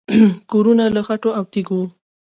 کورونه له خټو او تیږو وو